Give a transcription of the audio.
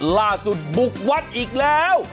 ล่าสุดบุกวัดอีกแล้ว